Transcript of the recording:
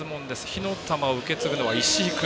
火の球を受け継ぐのは石井君！